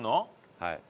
はい。